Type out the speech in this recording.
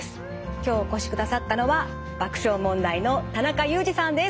今日お越しくださったのは爆笑問題の田中裕二さんです。